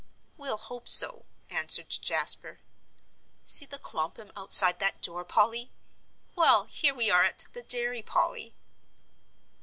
"We'll hope so," answered Jasper. "See the klompen outside that door, Polly. Well, here we are at the dairy, Polly."